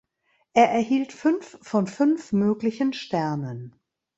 Er erhielt fünf von fünf möglichen Sternen.